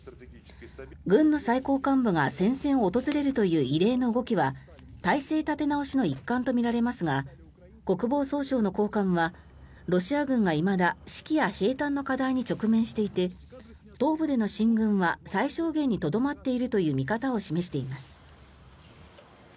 軍の最高幹部が戦線を訪れるという異例の動きは態勢立て直しの一環とみられますが国防総省の高官は、ロシア軍がいまだ指揮や兵たんの課題に直面していて東部での進軍は最小限にとどまっているという見方を示しています。